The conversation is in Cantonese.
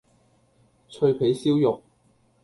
脆皮燒肉